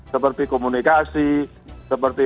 seperti komunikasi seperti